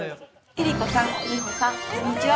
江里子さん美穂さんこんにちは。